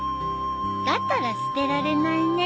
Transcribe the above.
だったら捨てられないね。